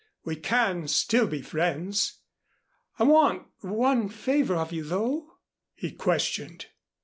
We can still be friends. I want one favor of you, though." He questioned.